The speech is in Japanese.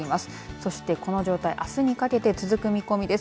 そして、この状態あすにかけて続く見込みです。